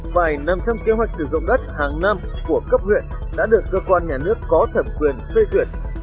và năm trăm linh kế hoạch sử dụng đất hàng năm của cấp huyện đã được cơ quan nhà nước có thẩm quyền phê duyệt